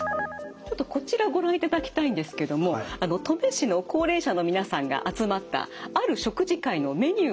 ちょっとこちらご覧いただきたいんですけども登米市の高齢者の皆さんが集まったある食事会のメニューなんですね。